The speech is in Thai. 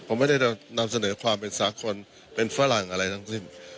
ผมไม่ได้นำเสนอความเป็นสากลเป็นฝรั่งอะไรทั้งสิ้น